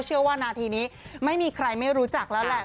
เชื่อว่านาทีนี้ไม่มีใครไม่รู้จักแล้วแหละ